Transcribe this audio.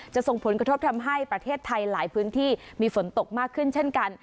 ส่งผลกระทบทำให้ประเทศไทยหลายพื้นที่มีฝนตกมากขึ้นเช่นกัน